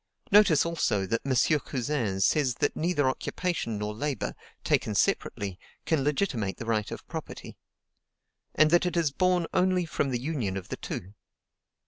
Notice also that M. Cousin says that neither occupation nor labor, taken separately, can legitimate the right of property; and that it is born only from the union of the two.